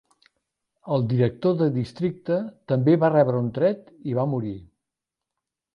El director de districte també va rebre un tret i va morir.